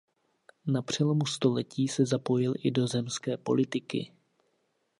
Na přelomu století se zapojil i do zemské politiky.